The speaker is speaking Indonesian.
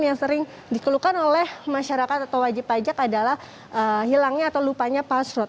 yang sering dikeluhkan oleh masyarakat atau wajib pajak adalah hilangnya atau lupanya password